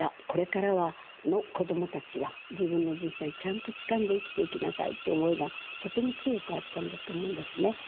これからの子どもたちは自分の人生ちゃんとつかんで生きていきなさいって思いがとても強くあったんだと思うんですね。